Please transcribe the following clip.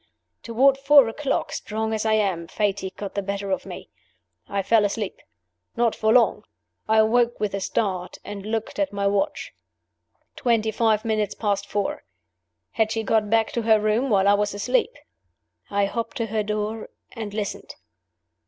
Toward four o'clock, strong as I am, fatigue got the better of me. I fell asleep. Not for long. I awoke with a start and looked at my watch. Twenty five minutes past four. Had she got back to her room while I was asleep? I hopped to her door and listened.